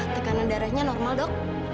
tekanan darahnya normal dok